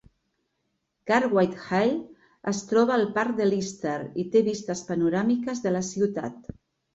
Cartwright Hall es troba al parc de Lister i té vistes panoràmiques de la ciutat.